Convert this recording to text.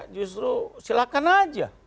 justru silakan aja